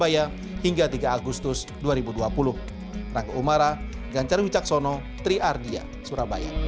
yang terjadi di surabaya hingga tiga agustus dua ribu dua puluh